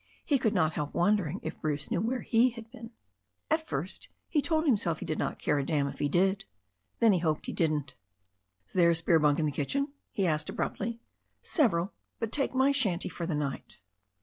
He could not help wondering if Bruce knew where he had been. At first he told himself he did not care a damn if he did. Then he hoped he didn't. "Is there a spare bunk in the kitchen ?" he asked abruptly. /'Several. But take my shanty for the night."